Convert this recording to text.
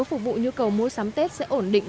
phục vụ nhu cầu mua sắm tết sẽ ổn định